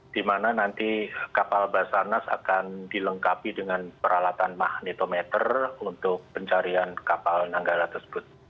di mana nanti kapal basarnas akan dilengkapi dengan peralatan magnetometer untuk pencarian kapal nanggala tersebut